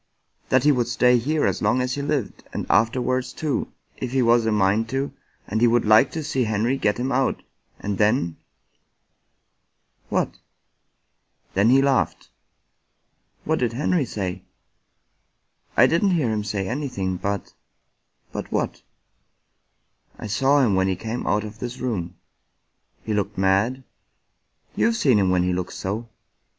" That he would stay here as long as he lived and after 49 American Mystery Stories wards, too, if he was a mind to, and he would hke to see Henrv get him out ; and then "" What ?"" Then he laughed." "What did Henry say?" " I didn't hear him say anything, but " "But what?" " I saw him when he came out of this room." "He looked mad?" " You've seen him when he looked so."